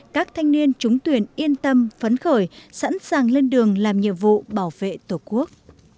các thanh niên trúng tuyển yên tâm phấn khởi sẵn sàng lên đường làm nhiệm vụ bảo vệ tổ quốc